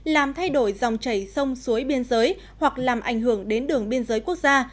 làm thay đổi dòng chảy sông suối biên giới hoặc làm ảnh hưởng đến đường biên giới quốc gia